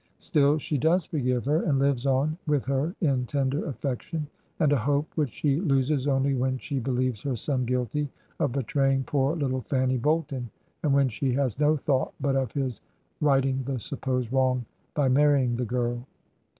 Still she does forgive her, and lives on with her in tender af fection and a hope which she loses only when she be lieves her son guilty of betraying poor little Fanny Bolton, and when she has no thought but of his right ing the supposed wrong by marrying the girl.